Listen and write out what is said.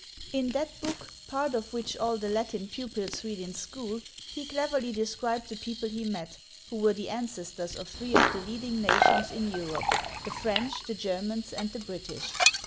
In that book, part of which all the Latin pupils read in school, he cleverly described the people he met, who were the ancestors of three of the leading nations in Europe — the French, the Germans, and the British.